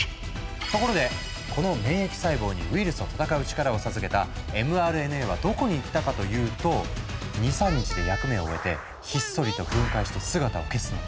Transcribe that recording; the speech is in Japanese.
ところでこの免疫細胞にウイルスと戦う力を授けたｍＲＮＡはどこに行ったかというと２３日で役目を終えてひっそりと分解して姿を消すの。